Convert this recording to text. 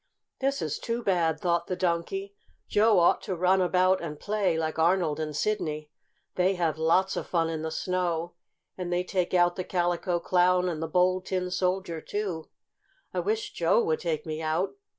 "This is too bad!" thought the Donkey. "Joe ought to run about and play like Arnold and Sidney. They have lots of fun in the snow, and they take out the Calico Clown and the Bold Tin Soldier, too. I wish Joe would take me out.